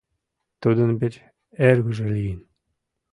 Тудын вич эргыже лийын.